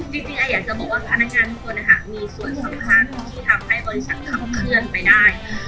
จริงอยากจะบอกว่าพนักงานทุกคนมีส่วนสำคัญที่ทำให้บริษัทขับเคลื่อนไปได้